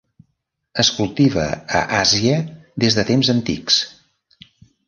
Es cultiva a Àsia des de temps antics.